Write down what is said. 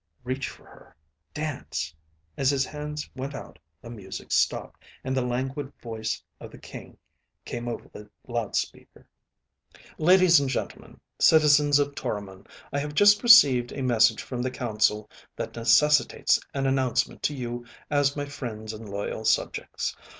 Reach for her. Dance. As his hands went out, the music stopped, and the languid voice of the King came over the loudspeaker. "Ladies and gentlemen, citizens of Toromon, I have just received a message from the council that necessitates an announcement to you as my friends and loyal subjects.